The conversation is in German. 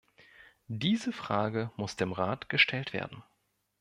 Diese Frage muss dem Rat gestellt werden.